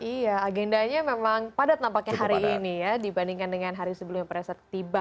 iya agendanya memang padat nampaknya hari ini ya dibandingkan dengan hari sebelumnya